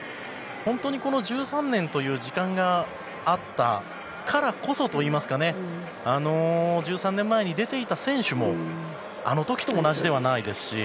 本当に、この１３年という時間があったからこそといいますか１３年前に出ていた選手もあの時と同じではないですし。